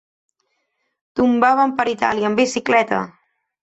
Tombàvem per Itàlia amb bicicleta.